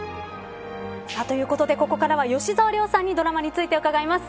ということで、ここからは吉沢亮さんにドラマについて伺います。